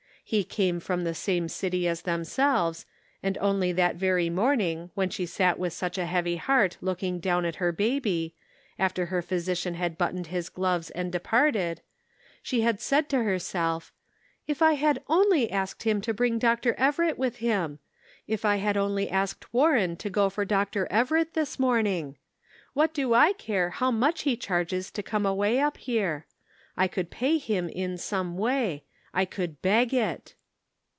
He came from the same city as themselves, arid only that very morning when she sat with such a heavy heart looking down at her baby, after her physician had buttoned his gloves and departed, she had said to herself :" If I had only asked him to bring Dr. Everett with him ! If I had only asked Warren to go for Dr. Everett this morning! What do I care how much he charges to«come away up here. I could pay him in some way ; I could beg it."